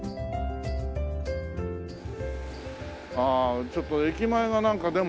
ああちょっと駅前がなんか。